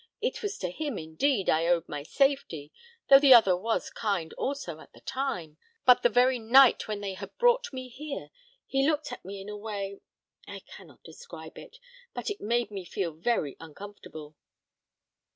It was to him, indeed, I owed my safety, though the other was kind also at the time; but the very night when they had brought me here, he looked at me in a way I cannot describe it but it made me feel very uncomfortable."